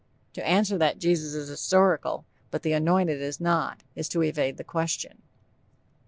To answer that Jesus is historical, but The Anointed is not, is to evade the question.